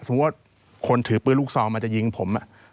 ว่าคนถือปืนลูกซองมาจะยิงผม